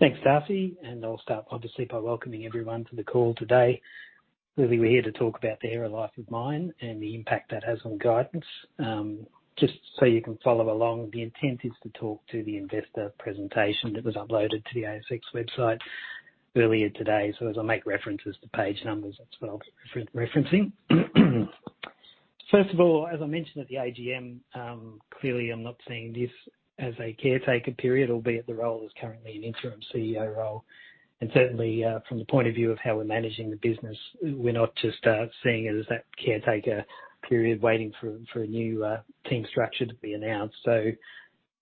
Thanks, Darcy. I'll start obviously by welcoming everyone to the call today. Clearly, we're here to talk about the Hera life-of-mine and the impact that has on guidance. Just so you can follow along, the intent is to talk to the investor presentation that was uploaded to the ASX website earlier today. As I make references to page numbers, that's what I'll be referencing. First of all, as I mentioned at the AGM, clearly I'm not seeing this as a caretaker period, albeit the role is currently an Interim CEO role. Certainly, from the point of view of how we're managing the business, we're not just seeing it as that caretaker period waiting for a new team structure to be announced.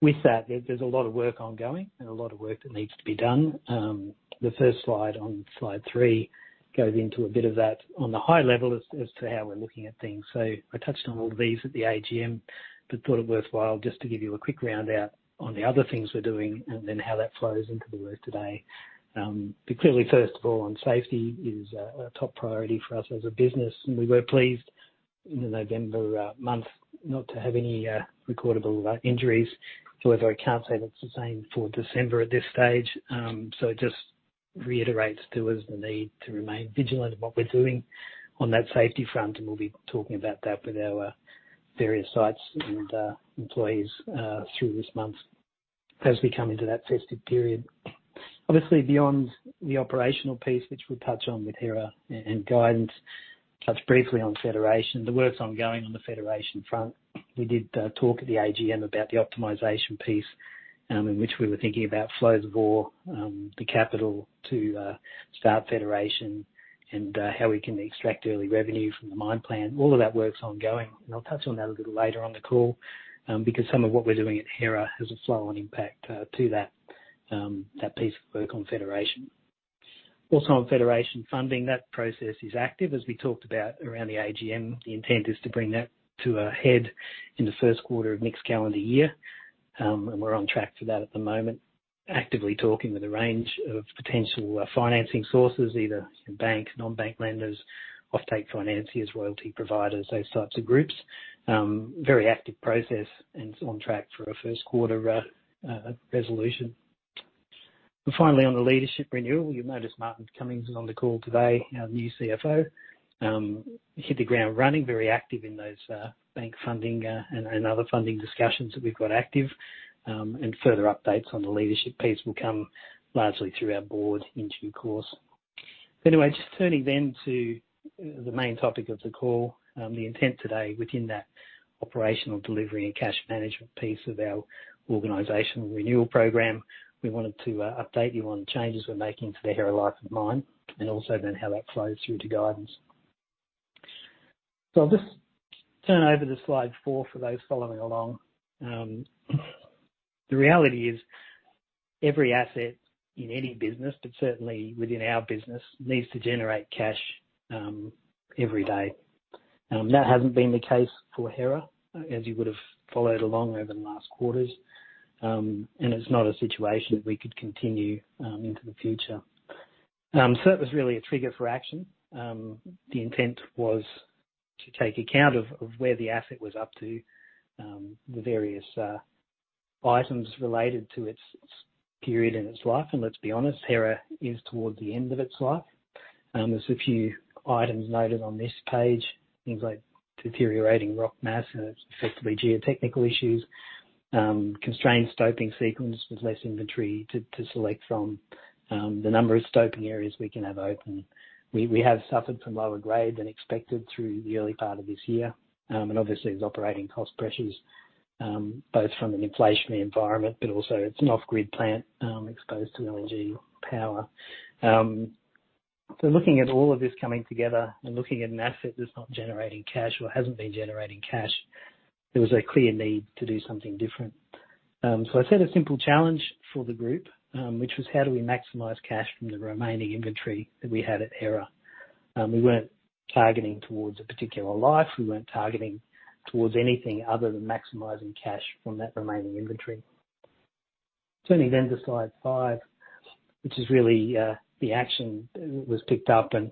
With that, there's a lot of work ongoing and a lot of work that needs to be done. The first slide on slide three goes into a bit of that on the high level as to how we're looking at things. I touched on all of these at the AGM, but thought it worthwhile just to give you a quick round out on the other things we're doing and then how that flows into the work today. Clearly first of all on safety is a top priority for us as a business, and we were pleased in the November month not to have any recordable injuries. However, I can't say that's the same for December at this stage. It just reiterates to us the need to remain vigilant in what we're doing on that safety front, and we'll be talking about that with our various sites and employees through this month as we come into that festive period. Obviously beyond the operational piece, which we touch on with Hera and guidance, touch briefly on Federation. The work's ongoing on the Federation front. We did talk at the AGM about the optimization piece, in which we were thinking about flows of ore, the capital to start Federation and how we can extract early revenue from the mine plan. All of that work's ongoing, and I'll touch on that a little later on the call, because some of what we're doing at Hera has a flow-on impact to that piece of work on Federation. On Federation funding, that process is active. As we talked about around the AGM, the intent is to bring that to a head in the first quarter of next calendar year, we're on track for that at the moment. Actively talking with a range of potential financing sources, either bank, non-bank lenders, offtake financiers, royalty providers, those types of groups. Very active process on track for a first quarter resolution. Finally, on the leadership renewal, you'll notice Martin Cummings is on the call today, our new CFO. Hit the ground running, very active in those bank funding and other funding discussions that we've got active. Further updates on the leadership piece will come largely through our board in due course. Anyway, just turning to the main topic of the call. The intent today within that operational delivery and cash management piece of our organizational renewal program, we wanted to update you on changes we're making to the Hera life-of-mine and also then how that flows through to guidance. I'll just turn over to slide four for those following along. The reality is every asset in any business, but certainly within our business, needs to generate cash every day. That hasn't been the case for Hera as you would have followed along over the last quarters. And it's not a situation we could continue into the future. It was really a trigger for action. The intent was to take account of where the asset was up to, the various items related to its period in its life. Let's be honest, Hera is towards the end of its life. There's a few items noted on this page. Things like deteriorating rock mass and effectively geotechnical issues. Constrained stoping sequence, there's less inventory to select from. The number of stoping areas we can have open. We have suffered from lower grade than expected through the early part of this year. Obviously there's operating cost pressures, both from an inflationary environment, but also it's an off-grid plant, exposed to energy power. Looking at all of this coming together and looking at an asset that's not generating cash or hasn't been generating cash, there was a clear need to do something different. I set a simple challenge for the group, which was how do we maximize cash from the remaining inventory that we had at Hera? We weren't targeting towards a particular life, we weren't targeting towards anything other than maximizing cash from that remaining inventory. Turning to slide five, which is really, the action that was picked up and,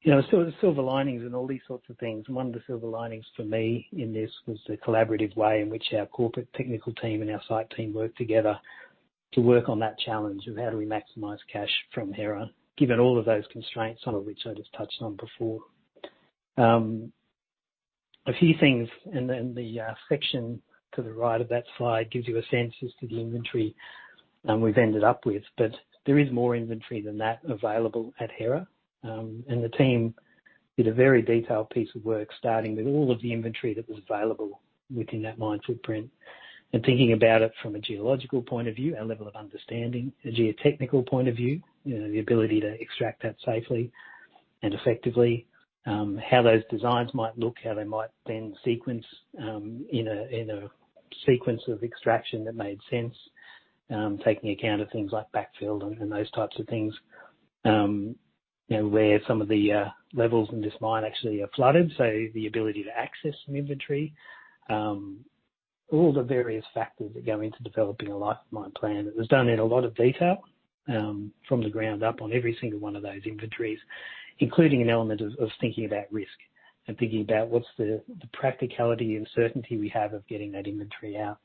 you know, sort of the silver linings in all these sorts of things. One of the silver linings for me in this was the collaborative way in which our corporate technical team and our site team worked together to work on that challenge of how do we maximize cash from Hera, given all of those constraints, some of which I just touched on before. A few things and then the section to the right of that slide gives you a sense as to the inventory, we've ended up with. There is more inventory than that available at Hera. The team did a very detailed piece of work, starting with all of the inventory that was available within that mine footprint. Thinking about it from a geological point of view and level of understanding, a geotechnical point of view, you know, the ability to extract that safely and effectively. How those designs might look, how they might then sequence, in a sequence of extraction that made sense. Taking account of things like backfill and those types of things. You know, where some of the levels in this mine actually are flooded, so the ability to access the inventory. All the various factors that go into developing a life-of-mine plan. It was done in a lot of detail. From the ground up on every single one of those inventories, including an element of thinking about risk and thinking about what's the practicality and certainty we have of getting that inventory out.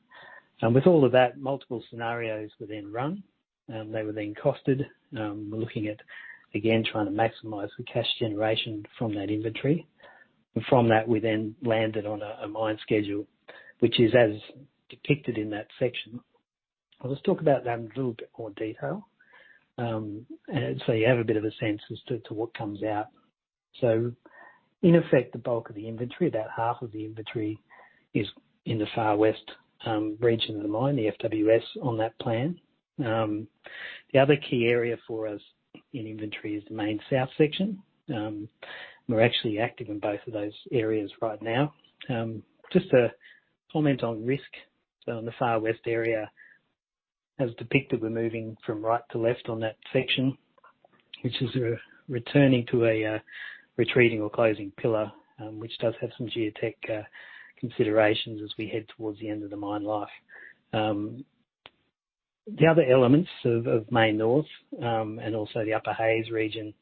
With all of that, multiple scenarios were then run, they were then costed. We're looking at, again, trying to maximize the cash generation from that inventory. From that, we then landed on a mine schedule which is as depicted in that section. Let's talk about that in a little bit more detail, so you have a bit of a sense as to what comes out. In effect, the bulk of the inventory, about half of the inventory is in the Far West region of the mine, the FWS on that plan. The other key area for us in inventory is the main south section. We're actually active in both of those areas right now. Just to comment on risk. In the Far West area, as depicted, we're moving from right to left on that section, which is returning to a retreating or closing pillar, which does have some geotech considerations as we head towards the end of the mine life. The other elements of main north and also the Upper Hays region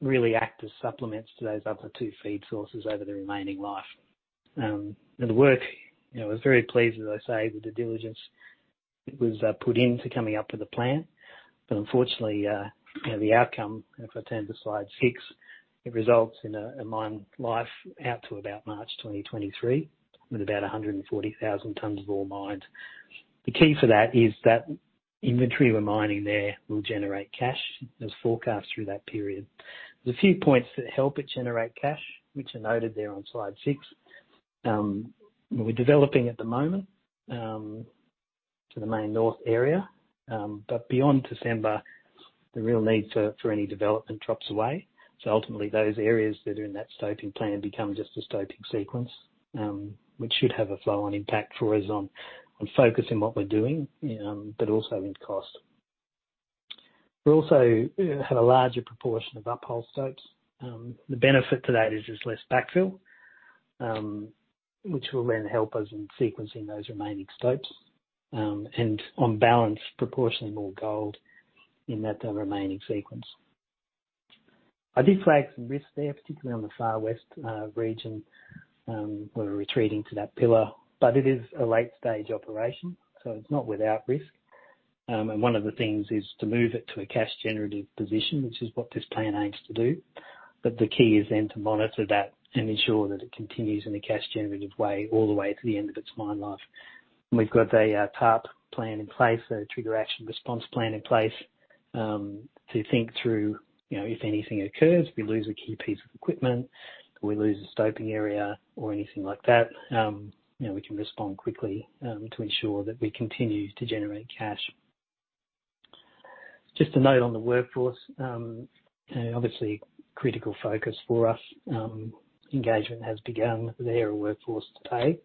really act as supplements to those other two feed sources over the remaining life. And the work, you know, I was very pleased, as I say, with the diligence that was put in to coming up with a plan. Unfortunately, you know, the outcome, and if I turn to slide six, it results in a mine life out to about March 2023, with about 140,000 tons of ore mined. The key for that is that inventory we're mining there will generate cash as forecast through that period. There's a few points that help it generate cash, which are noted there on slide six. We're developing at the moment to the main north area. Beyond December, the real need for any development drops away. Ultimately, those areas that are in that stoping plan become just a stoping sequence, which should have a flow-on impact for us on focusing what we're doing, but also in cost. We also have a larger proportion of uphole stopes. The benefit to that is there's less backfill, which will then help us in sequencing those remaining stopes, and on balance, proportionally more gold in that remaining sequence. I did flag some risks there, particularly on the Far West, region, where we're retreating to that pillar. It is a late-stage operation, so it's not without risk. One of the things is to move it to a cash generative position, which is what this plan aims to do. The key is then to monitor that and ensure that it continues in a cash generative way all the way to the end of its mine life. We've got a TARP plan in place, a Trigger Action Response Plan in place, to think through, you know, if anything occurs, we lose a key piece of equipment, we lose a stoping area or anything like that, you know, we can respond quickly, to ensure that we continue to generate cash. Just a note on the workforce, you know, obviously critical focus for us. Engagement has begun. They're a workforce to pay.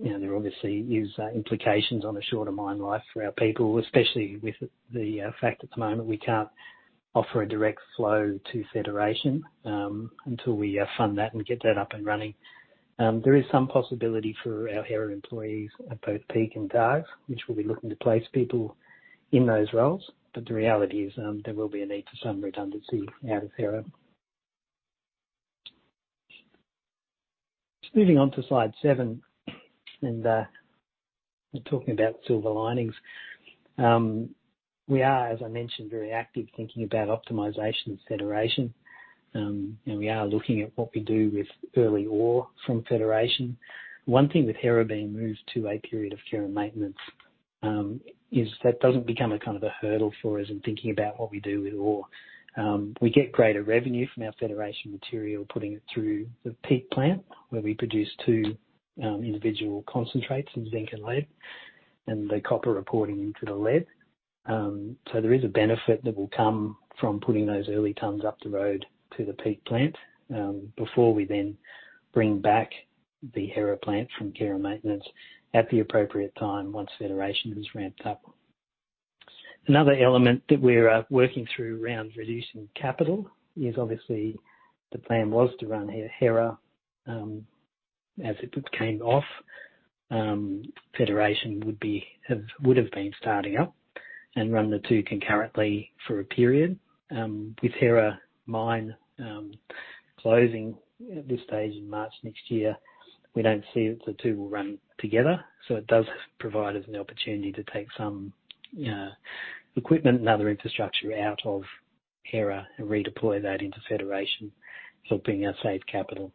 You know, there obviously is implications on a shorter mine life for our people, especially with the fact at the moment, we can't offer a direct flow to Federation, until we fund that and get that up and running. There is some possibility for our Hera employees at both Peak and Dargues, which we'll be looking to place people in those roles, but the reality is, there will be a need for some redundancy out of Hera. Just moving on to slide seven and talking about silver linings. We are, as I mentioned, very active thinking about optimization of Federation, and we are looking at what we do with early ore from Federation. One thing with Hera being moved to a period of care and maintenance, is that doesn't become a kind of a hurdle for us in thinking about what we do with ore. We get greater revenue from our Federation material, putting it through the Peak plant, where we produce two individual concentrates in zinc and lead, and the copper reporting into the lead. There is a benefit that will come from putting those early tons up the road to the Peak plant before we then bring back the Hera plant from care and maintenance at the appropriate time once Federation is ramped up. Another element that we're working through around reducing capital is obviously the plan was to run Hera as it came off. Federation would've been starting up and run the two concurrently for a period. With Hera mine closing at this stage in March next year, we don't see that the two will run together. It does provide us an opportunity to take some equipment and other infrastructure out of Hera and redeploy that into Federation, helping us save capital.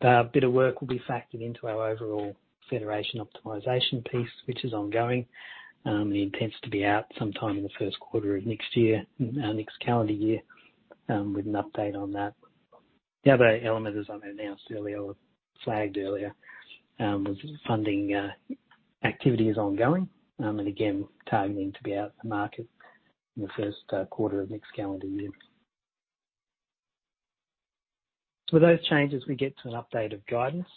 That bit of work will be factored into our overall Federation optimization piece, which is ongoing. It intends to be out sometime in the first quarter of next year, next calendar year, with an update on that. The other element, as I announced earlier or flagged earlier, was funding, activity is ongoing, and again, targeting to be out to market in the first quarter of next calendar year. With those changes, we get to an update of guidance.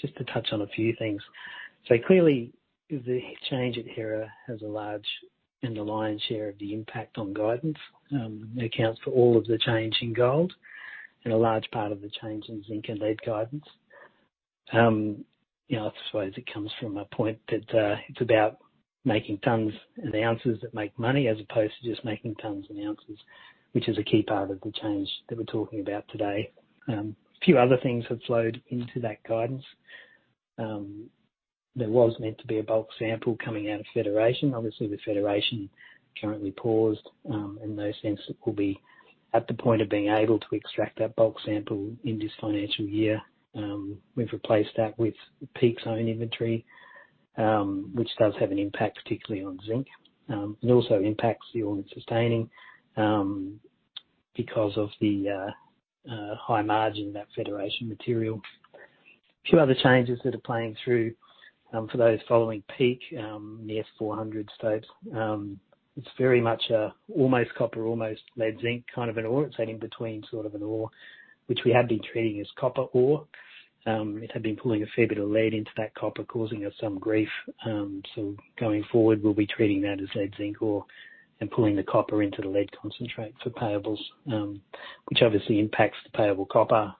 Just to touch on a few things. Clearly, the change at Hera has a large and the lion's share of the impact on guidance, and accounts for all of the change in gold. A large part of the change in zinc and lead guidance. You know, I suppose it comes from a point that it's about making tons and ounces that make money as opposed to just making tons and ounces, which is a key part of the change that we're talking about today. Few other things have flowed into that guidance. There was meant to be a bulk sample coming out of Federation. Obviously, the Federation currently paused, in those sense that we'll be at the point of being able to extract that bulk sample in this financial year. We've replaced that with Peak's own inventory, which does have an impact, particularly on zinc. It also impacts the all-in sustaining, because of the high margin of that Federation material. Few other changes that are playing through, for those following Peak, the S400 stopes. It's very much a almost copper, almost lead zinc kind of an ore. It's an in-between sort of an ore, which we have been treating as copper ore. It had been pulling a fair bit of lead into that copper, causing us some grief. Going forward, we'll be treating that as lead zinc ore and pulling the copper into the lead concentrate for payables, which obviously impacts the payable copper,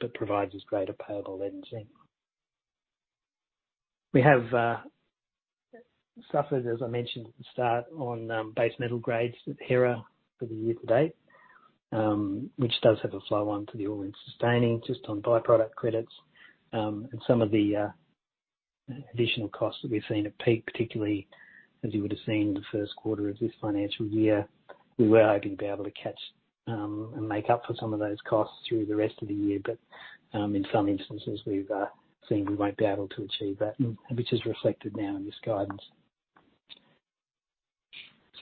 but provides us greater payable lead and zinc. We have suffered, as I mentioned at the start, on base metal grades at Hera for the year to date, which does have a flow on to the ore and sustaining just on byproduct credits. And some of the additional costs that we've seen at Peak, particularly as you would have seen in the first quarter of this financial year, we were hoping to be able to catch and make up for some of those costs through the rest of the year. In some instances, we've seen we won't be able to achieve that, which is reflected now in this guidance.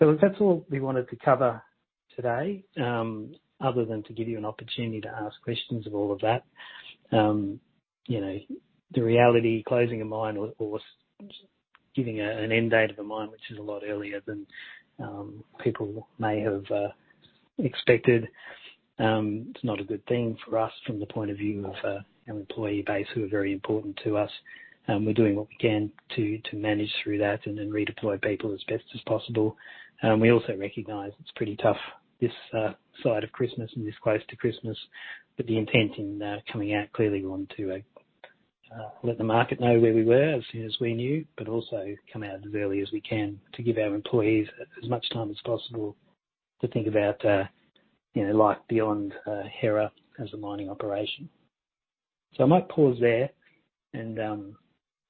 That's all we wanted to cover today, other than to give you an opportunity to ask questions of all of that. you know, the reality closing a mine or giving an end date of a mine, which is a lot earlier than people may have expected, it's not a good thing for us from the point of view of our employee base who are very important to us, and we're doing what we can to manage through that and then redeploy people as best as possible. We also recognize it's pretty tough this side of Christmas and this close to Christmas, but the intent in coming out, clearly we want to let the market know where we were as soon as we knew, but also come out as early as we can to give our employees as much time as possible to think about, you know, life beyond Hera as a mining operation. I might pause there and,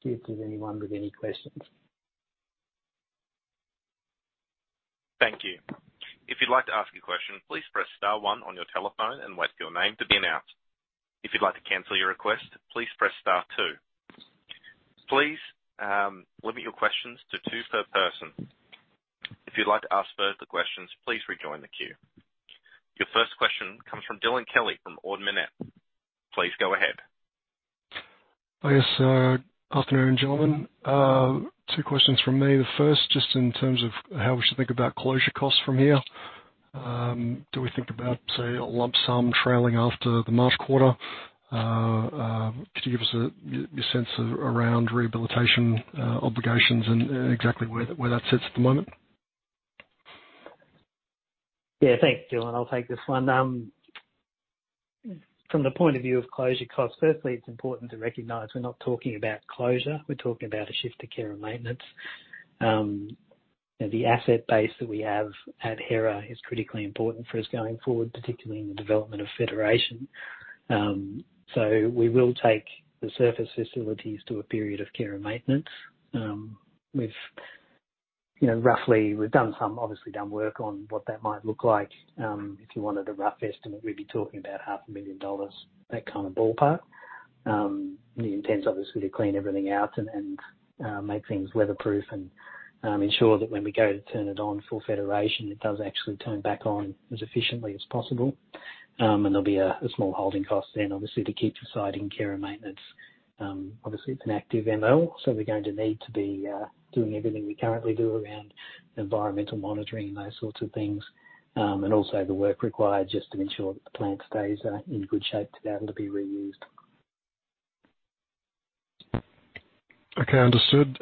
see if there's anyone with any questions. Thank you. If you'd like to ask a question, please press star one on your telephone and wait for your name to be announced. If you'd like to cancel your request, please press star two. Please limit your questions to two per person. If you'd like to ask further questions, please rejoin the queue. Your first question comes from Dylan Kelly from Ord Minnett. Please go ahead. I guess, afternoon, gentlemen. Two questions from me. The first, just in terms of how we should think about closure costs from here. Do we think about, say, a lump sum trailing after the March quarter? Could you give us your sense of around rehabilitation obligations and exactly where that sits at the moment? Yeah. Thanks, Dylan. I'll take this one. From the point of view of closure costs, firstly, it's important to recognize we're not talking about closure. We're talking about a shift to care and maintenance. You know, the asset base that we have at Hera is critically important for us going forward, particularly in the development of Federation. We will take the surface facilities to a period of care and maintenance. We've, you know, roughly we've obviously done work on what that might look like. If you wanted a rough estimate, we'd be talking about 500,000 dollars that kind of ballpark. The intent's obviously to clean everything out and, make things weatherproof and, ensure that when we go to turn it on for Federation, it does actually turn back on as efficiently as possible. There'll be a small holding cost then, obviously, to keep the site in care and maintenance. Obviously, it's an active ML, so we're going to need to be doing everything we currently do around environmental monitoring and those sorts of things. Also the work required just to ensure that the plant stays in good shape to be able to be reused. Okay. Understood.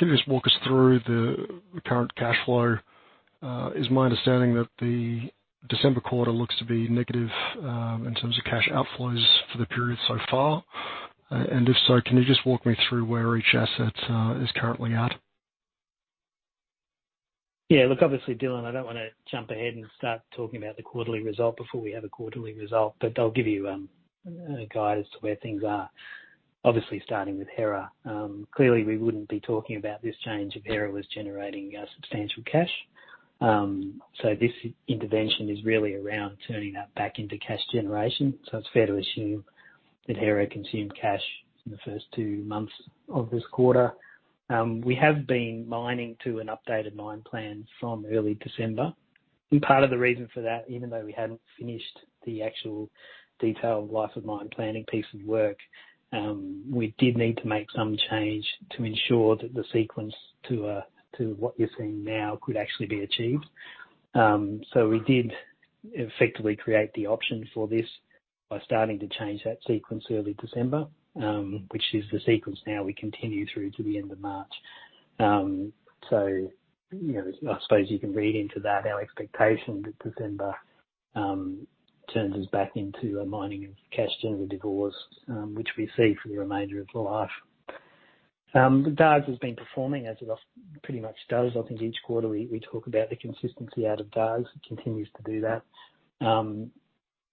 Can you just walk us through the current cash flow? Is my understanding that the December quarter looks to be negative in terms of cash outflows for the period so far? If so, can you just walk me through where each asset is currently at? Look, obviously, Dylan, I don't wanna jump ahead and start talking about the quarterly result before we have a quarterly result. I'll give you a guide as to where things are. Starting with Hera. Clearly, we wouldn't be talking about this change if Hera was generating substantial cash. This intervention is really around turning that back into cash generation. It's fair to assume that Hera consumed cash in the first two months of this quarter. We have been mining to an updated mine plan from early December. Part of the reason for that, even though we hadn't finished the actual detailed life of mine planning piece of work, we did need to make some change to ensure that the sequence to what you're seeing now could actually be achieved. We did effectively create the option for this by starting to change that sequence early December, which is the sequence now we continue through to the end of March. You know, I suppose you can read into that our expectation that December turns us back into a mining of cash during the divestment, which we see for the remainder of the life. The Dargues has been performing as it pretty much does. I think each quarter we talk about the consistency out of Dargues. It continues to do that.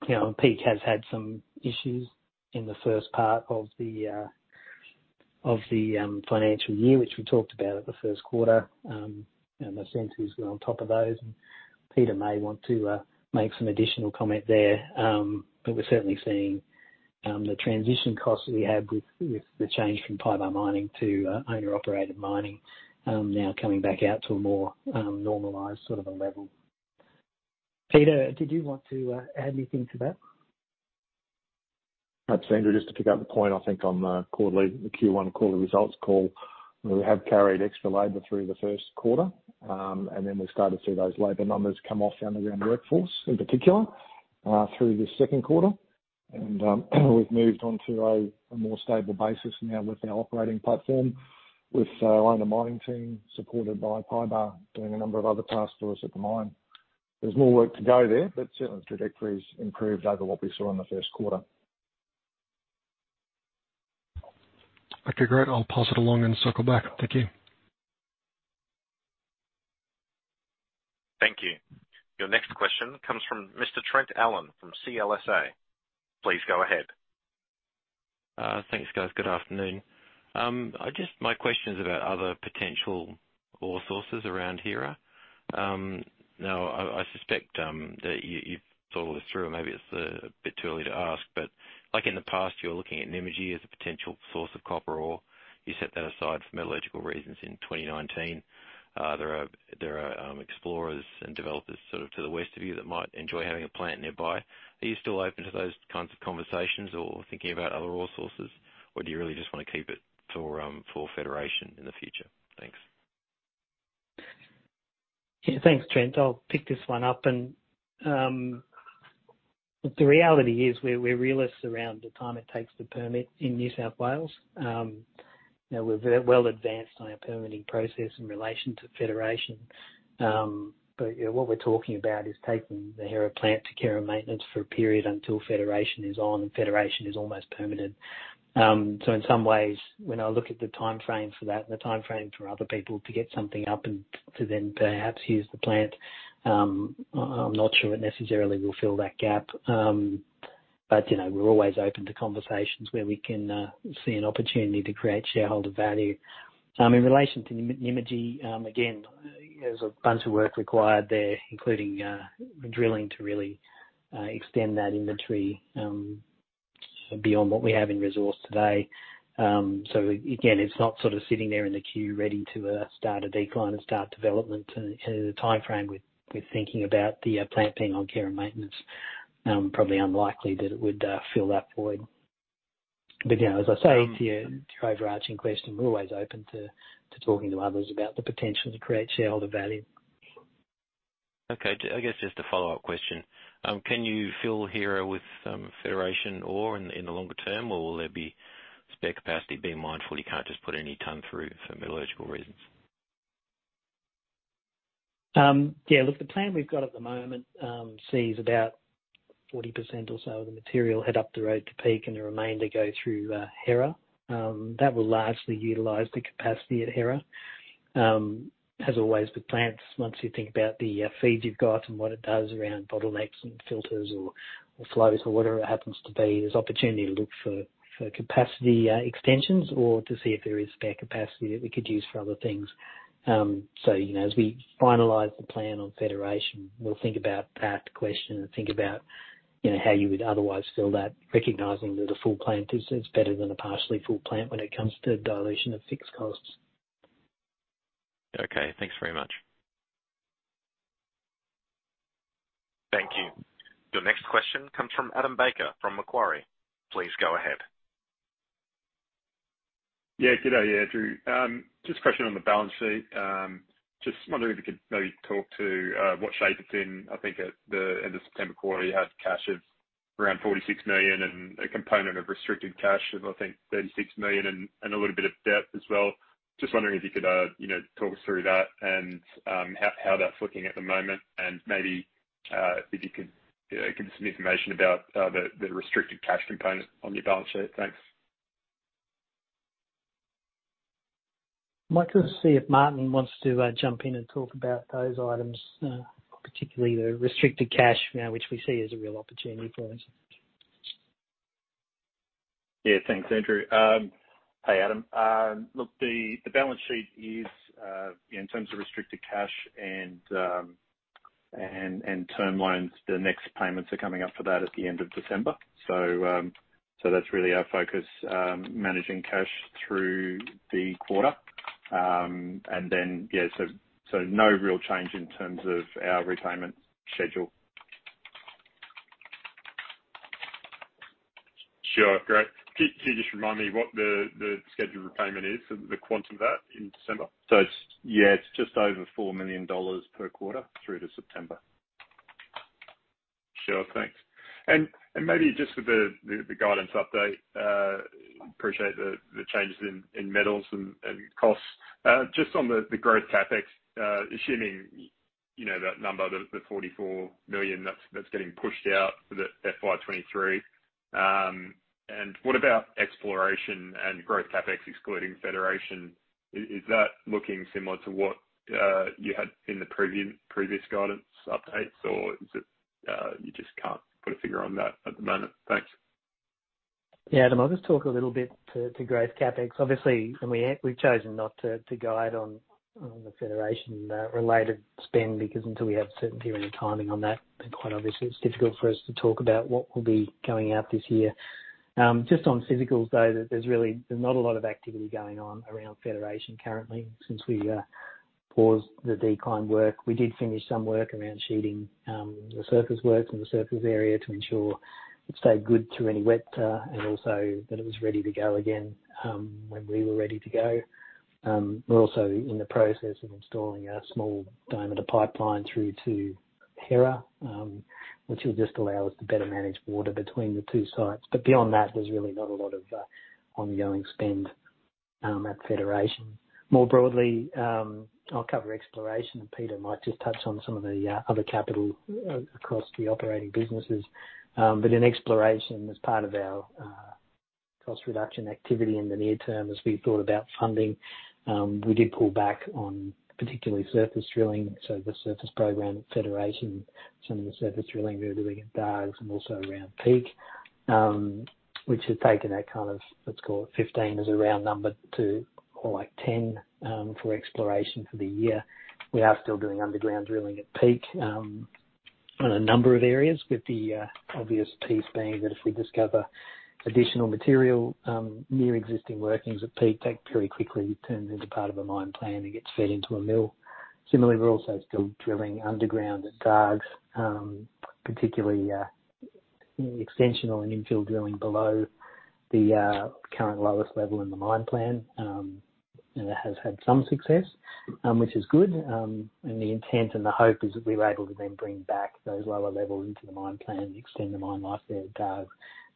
You know, Peak has had some issues in the first part of the financial year, which we talked about at the first quarter. The centers were on top of those. Peter may want to make some additional comment there. We're certainly seeing the transition costs we have with the change from PYBAR mining to owner operated mining now coming back out to a more normalized sort of a level. Peter, did you want to add anything to that? Absolutely, Andrew. Just to pick up the point, I think on the quarterly, the Q1 quarterly results call, we have carried extra labor through the first quarter, then we started to see those labor numbers come off underground workforce, in particular, through the second quarter. We've moved on to a more stable basis now with our operating platform, with our owner mining team supported by PYBAR doing a number of other tasks for us at the mine. There's more work to go there, but certainly the trajectory's improved over what we saw in the first quarter. Okay, great. I'll pass it along and circle back. Thank you. Thank you. Your next question comes from Mr. Trent Allen from CLSA. Please go ahead. Thanks, guys. Good afternoon. My question is about other potential ore sources around Hera. Now I suspect that you've thought all this through, and maybe it's a bit too early to ask, like in the past, you were looking at Nymagee as a potential source of copper ore. You set that aside for metallurgical reasons in 2019. There are explorers and developers sort of to the west of you that might enjoy having a plant nearby. Are you still open to those kinds of conversations or thinking about other ore sources, or do you really just wanna keep it for Federation in the future? Thanks. Yeah. Thanks, Trent. I'll pick this one up. The reality is we're realists around the time it takes to permit in New South Wales. You know, we're very well advanced on our permitting process in relation to Federation. You know, what we're talking about is taking the Hera plant to care and maintenance for a period until Federation is on. Federation is almost permitted. In some ways, when I look at the timeframe for that and the timeframe for other people to get something up and to then perhaps use the plant, I'm not sure it necessarily will fill that gap. You know, we're always open to conversations where we can see an opportunity to create shareholder value. In relation to Nymagee, again, there's a bunch of work required there, including drilling to really extend that inventory beyond what we have in resource today. Again, it's not sort of sitting there in the queue ready to start a decline and start development. In the timeframe we're thinking about the plant being on care and maintenance, probably unlikely that it would fill that void. You know, as I say to your, to your overarching question, we're always open to talking to others about the potential to create shareholder value. Okay. I guess just a follow-up question. Can you fill Hera with Federation ore in the longer term, or will there be spare capacity, being mindful you can't just put any ton through for metallurgical reasons? Yeah, look, the plan we've got at the moment, sees about 40% or so of the material head up the road to Peak and the remainder go through, Hera. That will largely utilize the capacity at Hera. As always with plants, once you think about the, feds you've got and what it does around bottlenecks and filters or flows or whatever it happens to be, there's opportunity to look for capacity, extensions or to see if there is spare capacity that we could use for other things. You know, as we finalize the plan on Federation, we'll think about that question and think about, you know, how you would otherwise fill that, recognizing that a full plant is better than a partially full plant when it comes to dilution of fixed costs. Okay. Thanks very much. Thank you. Your next question comes from Adam Baker from Macquarie. Please go ahead. Yeah. Good day, Andrew. Just a question on the balance sheet. Just wondering if you could maybe talk to what shape it's in. I think at the end of September quarter, you had cash of around 46 million and a component of restricted cash of, I think, 36 million and a little bit of debt as well. Just wondering if you could, you know, talk us through that and how that's looking at the moment and maybe if you could, you know, give us some information about the restricted cash component on your balance sheet. Thanks. I might just see if Martin wants to jump in and talk about those items, particularly the restricted cash now, which we see as a real opportunity for us. Yeah. Thanks, Andrew. Hey, Adam. Look, the balance sheet is in terms of restricted cash and term loans, the next payments are coming up for that at the end of December. That's really our focus, managing cash through the quarter. Yeah, so no real change in terms of our repayment schedule. Sure. Great. Can you just remind me what the scheduled repayment is for the quantum of that in December? Yeah, it's just over 4 million dollars per quarter through to September. Sure. Thanks. Maybe just for the guidance update, appreciate the changes in metals and costs. Just on the growth CapEx, assuming, you know, that number, the 44 million that's getting pushed out to the FY 2023. What about exploration and growth CapEx excluding Federation? Is that looking similar to what you had in the previous guidance updates? Or is it, you just can't put a figure on that at the moment? Thanks. Adam, I'll just talk a little bit to growth CapEx. Obviously, we've chosen not to guide on the Federation related spend because until we have certainty around the timing on that, then quite obviously it's difficult for us to talk about what will be going out this year. Just on physicals, though, there's really, there's not a lot of activity going on around Federation currently since we paused the decline work. We did finish some work around sheeting, the surface works and the surface area to ensure it stayed good through any wet and also that it was ready to go again when we were ready to go. We're also in the process of installing a small diameter pipeline through to Hera, which will just allow us to better manage water between the two sites. Beyond that, there's really not a lot of ongoing spend at Federation. More broadly, I'll cover exploration, and Peter might just touch on some of the other capital across the operating businesses. In exploration, as part of our cost reduction activity in the near term, as we thought about funding, we did pull back on particularly surface drilling, so the surface program at Federation. Some of the surface drilling we were doing at Dargues and also around Peak, which has taken a kind of, let's call it 15 as a round number, to more like 10, for exploration for the year. We are still doing underground drilling at Peak on a number of areas, with the obvious piece being that if we discover additional material near existing workings at Peak, that very quickly turns into part of a mine plan and gets fed into a mill. Similarly, we're also still drilling underground at Dargues, particularly e-extension on an infill drilling below the current lowest level in the mine plan. It has had some success, which is good. The intent and the hope is that we're able to then bring back those lower levels into the mine plan, extend the mine life there at Dargues,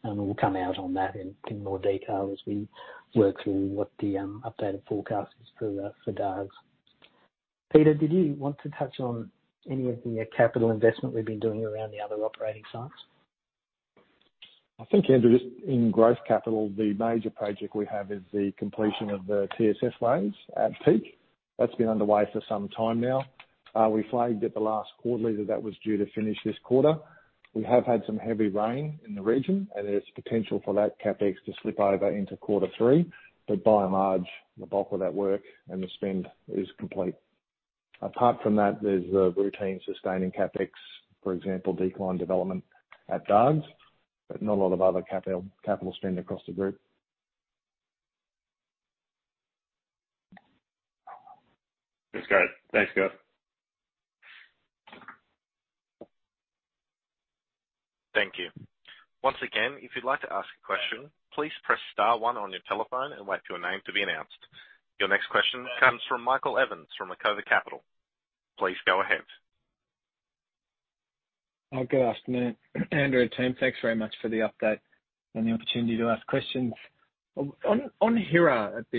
and we'll come out on that in more detail as we work through what the updated forecast is for Dargues. Peter, did you want to touch on any of the capital investment we've been doing around the other operating sites? I think, Andrew, just in growth capital, the major project we have is the completion of the TSF lanes at Peak. That's been underway for some time now. We flagged at the last quarterly that that was due to finish this quarter. We have had some heavy rain in the region, and there's potential for that CapEx to slip over into quarter three. By and large, the bulk of that work and the spend is complete. Apart from that, there's the routine sustaining CapEx, for example, decline development at Dargues, but not a lot of other capital spend across the group. That's great. Thanks. Cool. Thank you. Once again, if you'd like to ask a question, please press star one on your telephone and wait for your name to be announced. Your next question comes from Michael Evans from Acova Capital. Please go ahead. Good afternoon, Andrew and team. Thanks very much for the update and the opportunity to ask questions. On Hera at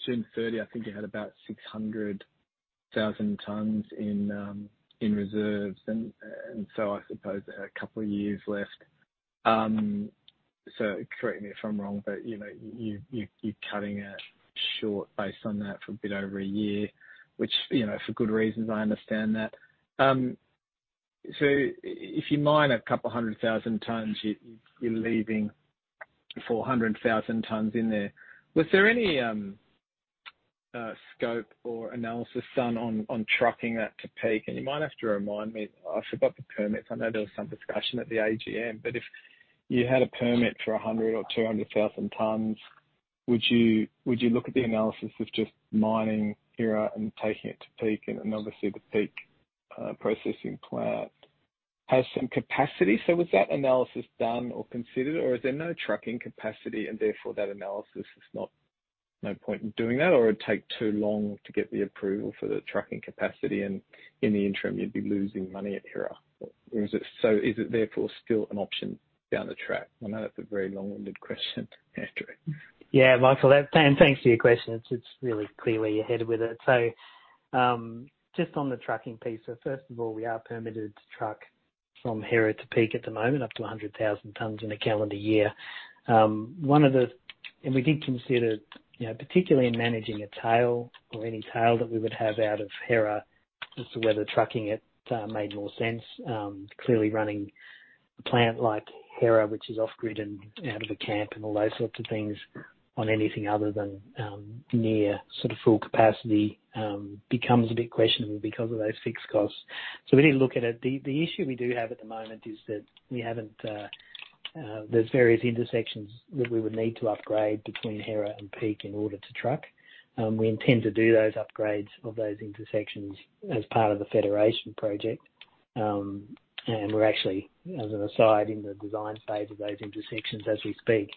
June 30, I think you had about 600,000 tons in reserves. I suppose a couple of years left. Correct me if I'm wrong, but you know, you're cutting it short based on that for a bit over a year, which, you know, for good reasons, I understand that. If you mine 200,000 tons, you're leaving 400,000 tons in there. Was there any scope or analysis done on trucking that to Peak? You might have to remind me. I forgot the permits. I know there was some discussion at the AGM. If you had a permit for 100,000 or 200,000 tons, would you look at the analysis of just mining Hera and taking it to Peak? Obviously the Peak processing plant has some capacity. Was that analysis done or considered, or is there no trucking capacity and therefore that analysis is not, no point in doing that, or it'd take too long to get the approval for the trucking capacity, and in the interim you'd be losing money at Hera? Or is it, is it therefore still an option down the track? I know that's a very long-winded question, Andrew. Yeah. Michael. Thanks for your question. It's really clear where you're headed with it. Just on the trucking piece. First of all, we are permitted to truck from Hera to Peak at the moment, up to 100,000 tons in a calendar year. We did consider, you know, particularly in managing a tail or any tail that we would have out of Hera as to whether trucking it made more sense. Clearly running a plant like Hera, which is off-grid and out of a camp and all those sorts of things on anything other than near sort of full capacity, becomes a bit questionable because of those fixed costs. We did look at it. The issue we do have at the moment is that we haven't. There's various intersections that we would need to upgrade between Hera and Peak in order to truck. We intend to do those upgrades of those intersections as part of the Federation project. We're actually, as an aside, in the design stage of those intersections as we speak.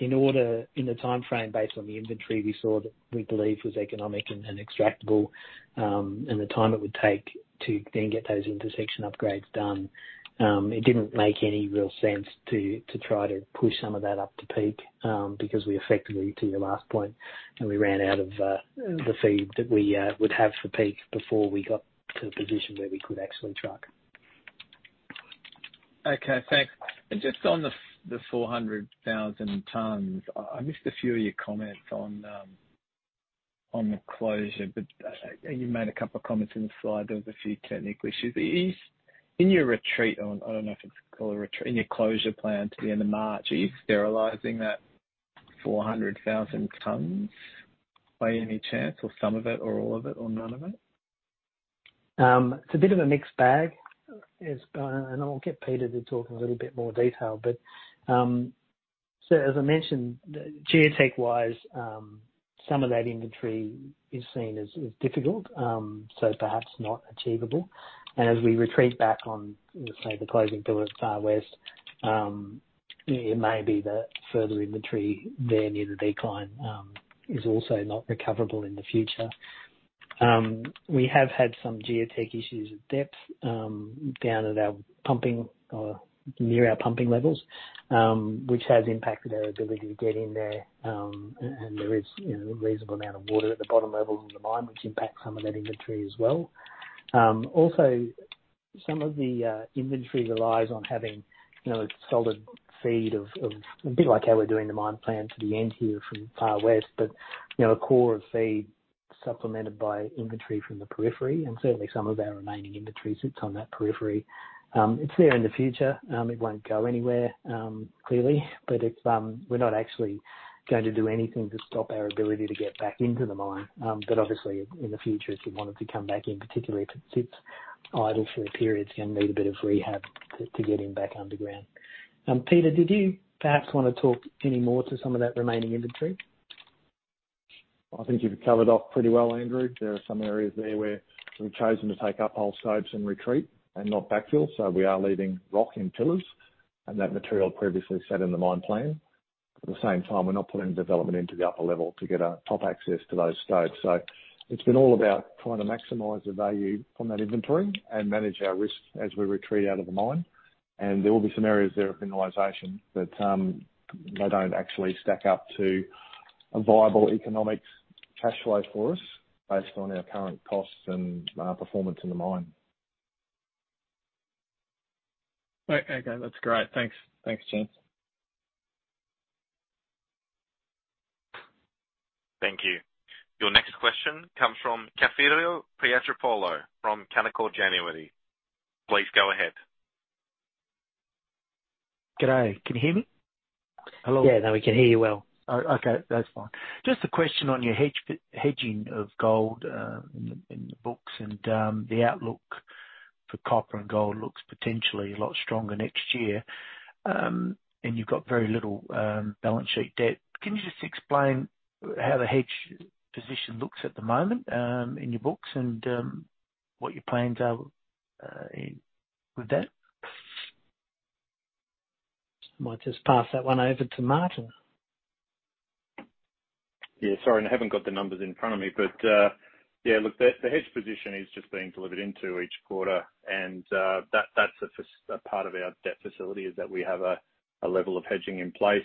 In order, in the timeframe, based on the inventory we saw that we believe was economic and extractable, and the time it would take to then get those intersection upgrades done, it didn't make any real sense to try to push some of that up to Peak, because we effectively, to your last point, we ran out of the feed that we would have for Peak before we got to a position where we could actually truck. Okay, thanks. Just on the 400,000 tons, I missed a few of your comments on the closure, but you made a couple of comments in the slide. There was a few technical issues. In your retreat, or I don't know if it's called a retreat, in your closure plan to the end of March, are you sterilizing that 400,000 tons by any chance, or some of it, or all of it, or none of it? It's a bit of a mixed bag. It's. I'll get Peter to talk in a little bit more detail. As I mentioned, geotech-wise, some of that inventory is seen as difficult, so perhaps not achievable. As we retreat back on, say, the closing pillar at Far West, it may be that further inventory there near the decline, is also not recoverable in the future. We have had some geotech issues at depth, down at our pumping or near our pumping levels, which has impacted our ability to get in there. There is, you know, a reasonable amount of water at the bottom levels of the mine, which impacts some of that inventory as well. Also some of the inventory relies on having, you know, a solid feed of a bit like how we're doing the mine plan to the end here from Far West, but, you know, a core of feed supplemented by inventory from the periphery and certainly some of our remaining inventory sits on that periphery. It's there in the future. It won't go anywhere, clearly, but it's, we're not actually going to do anything to stop our ability to get back into the mine. Obviously in the future, if we wanted to come back in, particularly if it sits idle for a period, it's gonna need a bit of rehab to get in back underground. Peter, did you perhaps want to talk any more to some of that remaining inventory? I think you've covered off pretty well, Andrew. There are some areas there where we've chosen to take up old stopes and retreat and not backfill, so we are leaving rock in pillars and that material previously set in the mine plan. At the same time, we're not putting development into the upper level to get top access to those stopes. It's been all about trying to maximize the value from that inventory and manage our risk as we retreat out of the mine. There will be some areas there of mineralization that they don't actually stack up to a viable economic cash flow for us based on our current costs and performance in the mine. Okay. That's great. Thanks. Thanks, gents. Thank you. Your next question comes from Cafiero Pietropaolo from Canaccord Genuity. Please go ahead. Good day. Can you hear me? Hello? Yeah. No, we can hear you well. Oh, okay. That's fine. Just a question on your hedging of gold, in the, in the books and the outlook for copper and gold looks potentially a lot stronger next year. You've got very little balance sheet debt. Can you just explain how the hedge position looks at the moment, in your books and what your plans are with that? I might just pass that one over to Martin. Sorry, I haven't got the numbers in front of me. Look, the hedge position is just being delivered into each quarter. That's a part of our debt facility, is that we have a level of hedging in place.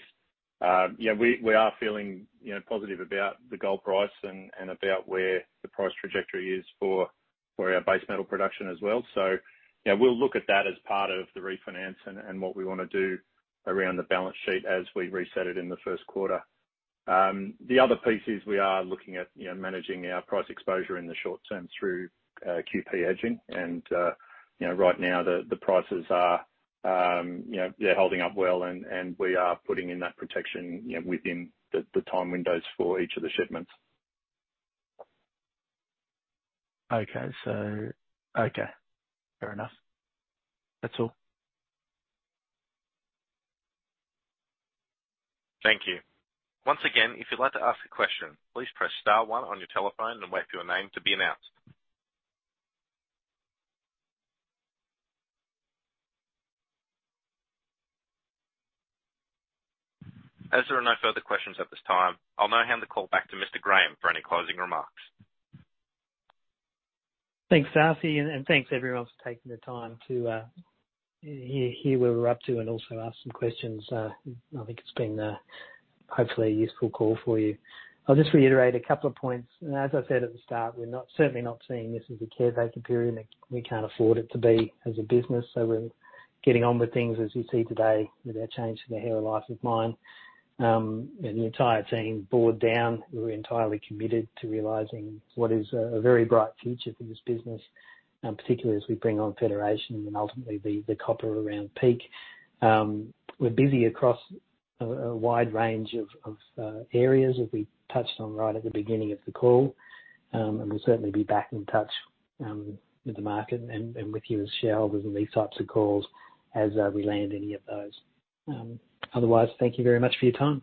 We are feeling, you know, positive about the gold price and about where the price trajectory is for our base metal production as well. We'll look at that as part of the refinance and what we wanna do around the balance sheet as we reset it in the first quarter. The other piece is we are looking at, you know, managing our price exposure in the short term through QP hedging. You know, right now the prices are, you know, they're holding up well, and we are putting in that protection, you know, within the time windows for each of the shipments. Okay. Okay. Fair enough. That's all. Thank you. Once again, if you'd like to ask a question, please press star one on your telephone and wait for your name to be announced. As there are no further questions at this time, I'll now hand the call back to Mr. Graham for any closing remarks. Thanks, Darcy. Thanks, everyone, for taking the time to hear where we're up to and also ask some questions. I think it's been hopefully a useful call for you. I'll just reiterate a couple of points. As I said at the start, we're not, certainly not seeing this as a care taker period. We can't afford it to be as a business. We're getting on with things, as you see today, with our change to the whole life of mine. The entire team board down, we're entirely committed to realizing what is a very bright future for this business, particularly as we bring on federation and ultimately the copper around Peak. We're busy across a wide range of areas that we touched on right at the beginning of the call. We'll certainly be back in touch with the market and with you as shareholders in these types of calls as we land any of those. Otherwise, thank you very much for your time.